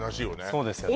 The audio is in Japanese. そうですよね